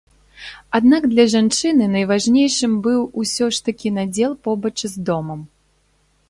Аднак для жанчыны найважнейшым быў усё ж такі надзел побач з домам.